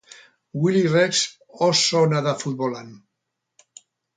Willyrex oso ona da futbolan